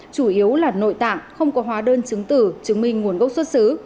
chủ yếu là nội tạng không có hóa đơn chứng tử chứng minh nguồn gốc xuất xứ